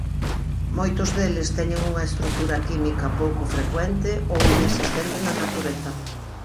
Moitos deles teñen unha estrutura química pouco frecuente ou inexistente na natureza.